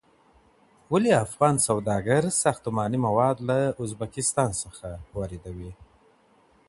ولې افغان سوداګر ساختماني مواد له ازبکستان څخه واردوي؟